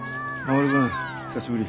護君久しぶり。